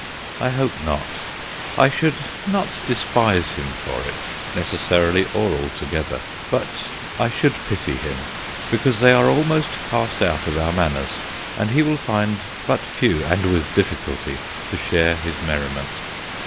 I hope not : I should not despise him for it necessarily or altogether but I should pity him, because they are almost passed out of our manners, and he will find but few, and with difficulty, to share his merriment.